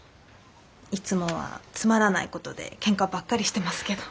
いつもはつまらないことでケンカばっかりしてますけど。